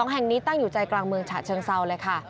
แห่งนี้ตั้งอยู่ใจกลางเมืองฉะเชิงเซาเลยค่ะ